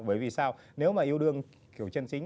bởi vì sao nếu mà yêu đương kiểu chân chính